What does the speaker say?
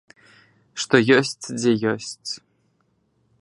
Што ёсць, дзе ёсць!